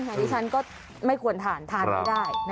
ดิฉันก็ไม่ควรทานทานไม่ได้